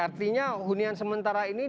artinya hunian sementara ini